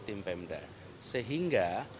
tim pemda sehingga